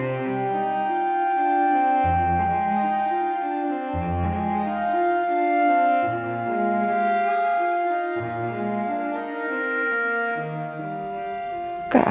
iya tak ada masalah